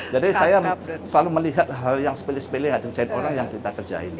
jadi saya selalu melihat hal yang sepilih sepilih yang ada di cahaya orang yang kita kerjain